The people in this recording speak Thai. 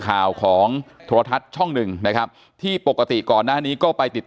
ข่าวของโทรทัศน์ช่องหนึ่งนะครับที่ปกติก่อนหน้านี้ก็ไปติด